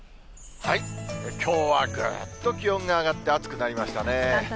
きょうはぐーっと気温が上がって暑くなりましたね。